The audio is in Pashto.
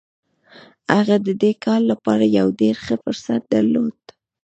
هغه د دې کار لپاره يو ډېر ښه فرصت درلود.